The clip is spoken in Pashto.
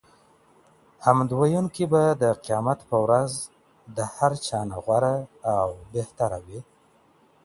حمد ويونکي به د قيامت په ورځ د هرچا نه غوره او بهتره وي